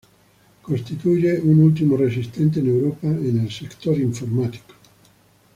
Constituye un último resistente en Europa en el sector informático.